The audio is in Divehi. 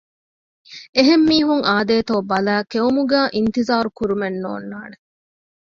އެހެން މީހުން އާދޭތޯ ބަލައި ކެއުމުގައި އިންތިޒާރު ކުރުމެއް ނޯންނާނެ